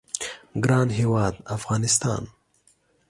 ګران هیواد افغانستان